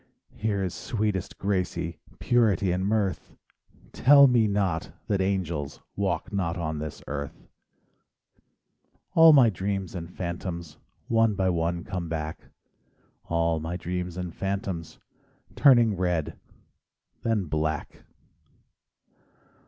Here is sweetest Gracie— Purity and mirth— Tell me not that angels Walk not on this earth! SONGS AND DREAMS All my dreams and phantoms One by one come back; All my dreams and phantoms Turning red, then black.